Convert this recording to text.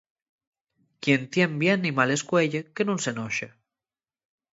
Quien tien bien y mal escueye, que nun s'enoxe.